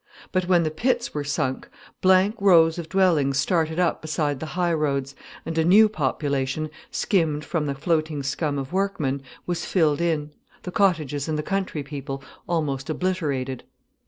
But when the pits were sunk, blank rows of dwellings started up beside the high roads, and a new population, skimmed from the floating scum of workmen, was filled in, the cottages and the country people almost obliterated.